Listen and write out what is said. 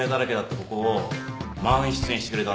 ここを満室にしてくれたんだよ。